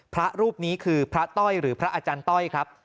พระรูปนี้คือพระต้อยหรือพระอาจารย์ต้อยครับ